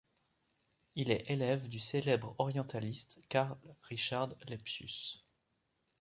Il est élève du célèbre orientaliste Karl Richard Lepsius.